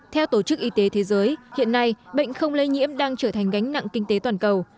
theo tổ chức y tế thế giới hiện nay bệnh không lây nhiễm đang trở thành gánh nặng kinh tế toàn cầu